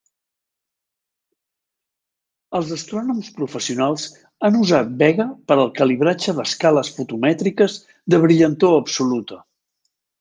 Els astrònoms professionals han usat Vega per al calibratge d'escales fotomètriques de brillantor absoluta.